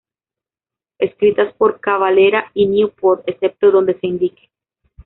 Escritas por Cavalera y Newport, excepto donde se indique.